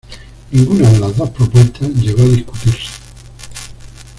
Ninguna de las dos propuestas llegó a discutirse.